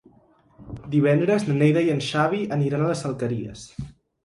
Divendres na Neida i en Xavi aniran a les Alqueries.